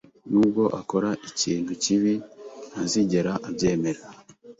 Nubwo akora ikintu kibi, ntazigera abyemera.